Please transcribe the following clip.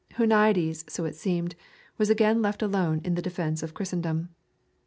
Huniades, so it seemed, was again left alone in the defence of Christendom.